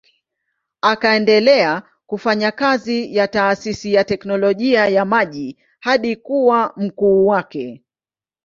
Akaendelea kufanya kazi ya taasisi ya teknolojia ya maji hadi kuwa mkuu wake.